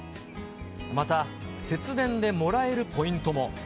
また、節電でもらえるポイントも。